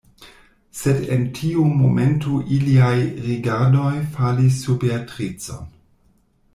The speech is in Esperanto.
Sed en tiu momento iliaj rigardoj falis sur Beatricon.